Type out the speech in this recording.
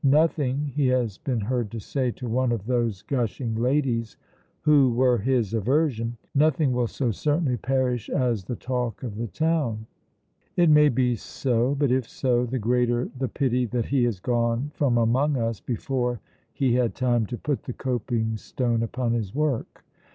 'Nothing,' he has been heard to say to one of those gushing ladies who were his aversion, 'nothing will so certainly perish as the talk of the town.' It may be so, but if so, the greater the pity that he has gone from among us before he had time to put the coping stone upon his work.